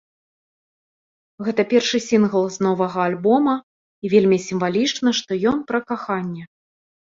Гэта першы сінгл з новага альбома, і вельмі сімвалічна, што ён пра каханне.